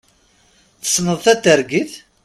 Tesneḍ tatergit?